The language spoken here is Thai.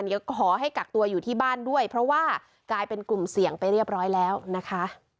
เดี๋ยวขอให้กักตัวอยู่ที่บ้านด้วยเพราะว่ากลายเป็นกลุ่มเสี่ยงไปเรียบร้อยแล้วนะคะ